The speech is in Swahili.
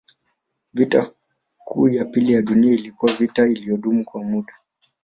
Vita Kuu ya Pili ya Dunia ilikuwa vita iliyodumu kwa muda